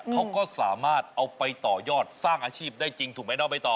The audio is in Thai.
เขาก็สามารถเอาไปต่อยอดสร้างอาชีพได้จริงถูกไหมน้องใบตอ